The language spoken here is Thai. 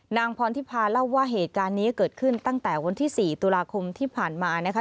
นางพรทิพาเล่าว่าเหตุการณ์นี้เกิดขึ้นตั้งแต่วันที่๔ตุลาคมที่ผ่านมานะคะ